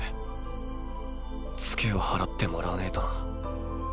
ツケを払ってもらわねぇとな。